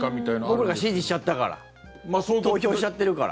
僕らが支持しちゃったから投票しちゃってるから。